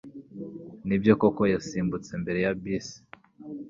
Nibyo koko yasimbutse imbere ya bisi?